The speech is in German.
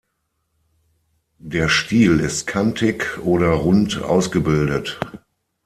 Der Stiel ist kantig oder rund ausgebildet.